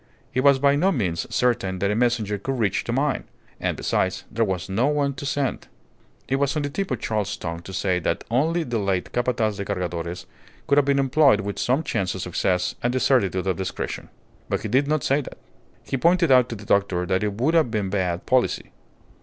It was by no means certain that a messenger could reach the mine; and, besides, there was no one to send. It was on the tip of Charles's tongue to say that only the late Capataz de Cargadores could have been employed with some chance of success and the certitude of discretion. But he did not say that. He pointed out to the doctor that it would have been bad policy.